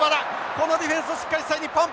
このディフェンスをしっかりしたい日本。